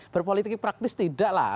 berpolitik praktis tidak lah